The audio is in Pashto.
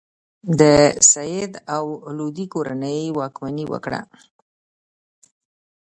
د سید او لودي کورنۍ واکمني وکړه.